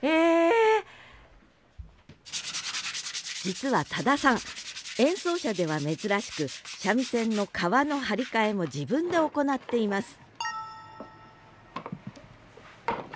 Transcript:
実は多田さん演奏者では珍しく三味線の皮の張り替えも自分で行っています